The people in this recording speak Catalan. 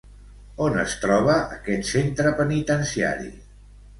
On es troba aquest centre penitenciari?